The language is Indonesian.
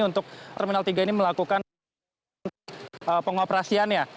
untuk terminal tiga ini melakukan pengoperasiannya